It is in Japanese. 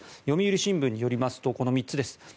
読売新聞によりますとこの３つです。